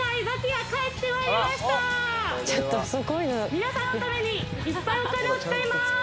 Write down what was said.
皆さんのためにいっぱいお金を使います。